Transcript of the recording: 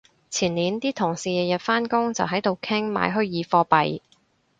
前年啲同事日日返工就喺度傾買虛擬貨幣